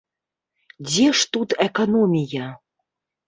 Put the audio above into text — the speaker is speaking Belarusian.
Дзе ж тут эканомія?